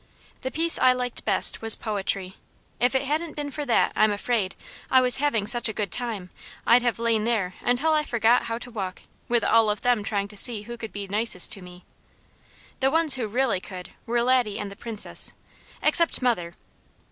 The piece I liked best was poetry. If it hadn't been for that, I'm afraid, I was having such a good time, I'd have lain there until I forgot how to walk, with all of them trying to see who could be nicest to me. The ones who really could, were Laddie and the Princess, except mother.